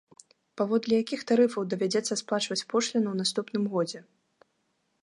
Паводле якіх тарыфаў давядзецца сплачваць пошліну ў наступным годзе?